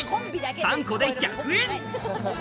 ３個で１００円。